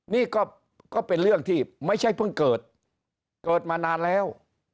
นี่ก็เป็นเรื่องที่ไม่ใช่เพิ่งเกิดเกิดมานานแล้ว